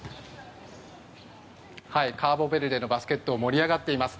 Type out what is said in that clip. カーボベルデのバスケットは盛り上がっています。